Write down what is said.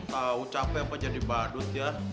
tahu capek apa jadi badut ya